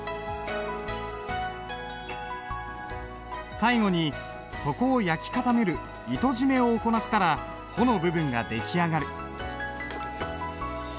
最後に底を焼き固める糸締めを行ったら穂の部分が出来上がる。